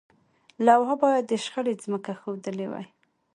لوحه باید د شخړې ځمکه ښودلې وي.